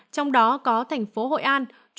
trong đó có thành phố hội an